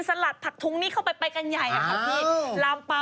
แต่ล้างซ้ำไม่ได้เหรอแล้วเปล่า